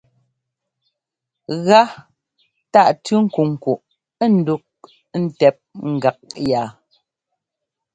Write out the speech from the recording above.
Gá tâʼ tʉ́ nkunkuʼ ndúʼ ntɛp gak yá.